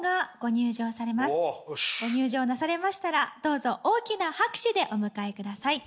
ご入場なされましたらどうぞ大きな拍手でお迎えください。